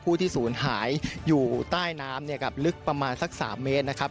ผู้ที่สูญหายอยู่ใต้น้ำหลึกประมาณสัก๓เมตรนะครับ